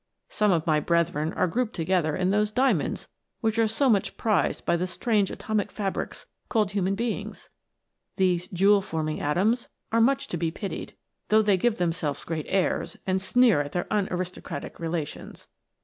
Some of my brethren are grouped together in those diamonds which are so much prized by the strange atomic fabrics called 54 THE LIFE OF AN ATOM. human beings. These jewel forming atoms are much to be pitied, though they give themselves great airs, and sneer at their unaristocratic relations.